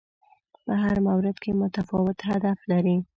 په هر مورد کې متفاوت هدف لري